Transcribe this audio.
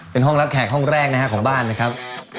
เป็นห้องรับแขกห้องแรกนะครับของบ้านนะครับ